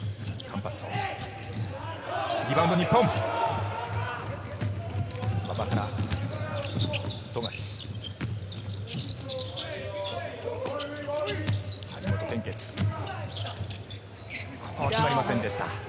張本天傑、決まりませんでした。